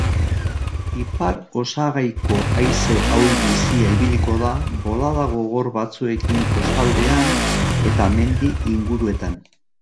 Ipar-osagaiko haize ahul-bizia ibiliko da, bolada gogor batzuekin kostaldean eta mendi inguruetan.